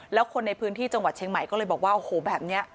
แล้วคนในพื้นที่จังหวัดเชียงใหม่ก็เลยบอกว่าโอ้โหแบบนี้